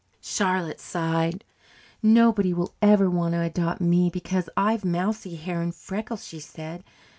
Charlotte sighed. "Nobody will ever want to adopt me, because I've mousy hair and freckles," she said.